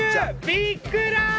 ビックラブ！